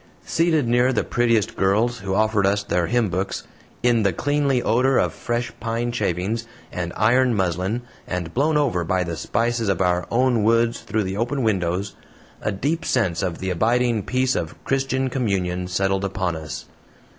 Seated near the prettiest girls, who offered us their hymn books in the cleanly odor of fresh pine shavings, and ironed muslin, and blown over by the spices of our own woods through the open windows, a deep sense of the abiding peace of Christian communion settled upon us.